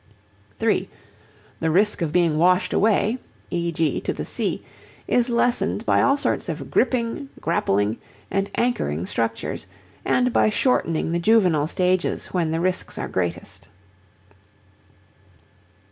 (3) The risk of being washed away, e.g. to the sea, is lessened by all sorts of gripping, grappling, and anchoring structures, and by shortening the juvenile stages when the risks are greatest.